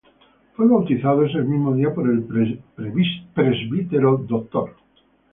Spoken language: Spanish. Fue bautizado ese mismo día por el Presbítero Dr.